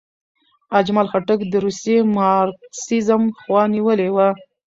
اجمل خټک د روسي مارکسیزم خوا نیولې وه.